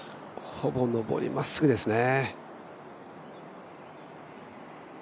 ほぼ上りまっすぐですね。